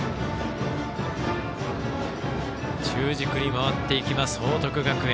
中軸に回ってきます、報徳学園。